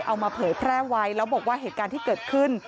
เอามาเผยแพร่ไว้แล้วบอกว่าเหตุการณ์ที่เกิดขึ้น